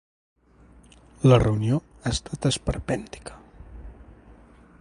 La reunió ha estat esperpèntica.